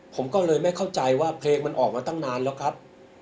ผมก็เลยไม่เข้าใจว่าเพลงมันออกมาตั้งนานแล้วครับ